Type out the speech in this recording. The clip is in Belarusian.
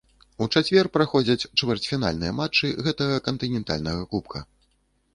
У чацвер праходзяць чвэрцьфінальныя матчы гэтага кантынентальнага кубка.